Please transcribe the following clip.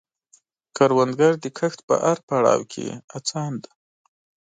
کروندګر د کښت په هر پړاو کې هڅاند دی